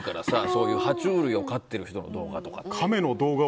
そういう爬虫類を飼っている人の動画とか。